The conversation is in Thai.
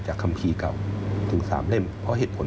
จากคำคีเก่าถึงสามเล่มเพราะเหตุผล